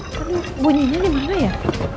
tadi bunyinya dimana ya